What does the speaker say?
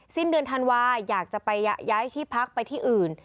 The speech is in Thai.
สิ้นเดือนธันวาอยากจะไปย้ายที่พักไปที่อื่น